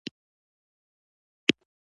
ما د خپل کتاب څرک ويوست.